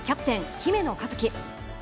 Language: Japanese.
姫野和樹。